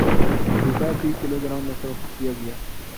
روپے فی kilogram میں فروخت کیا گیا